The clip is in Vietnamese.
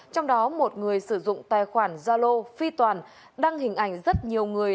trong đó một người sử dụng tài khoản zalo phi toàn đăng hình ảnh rất nhiều người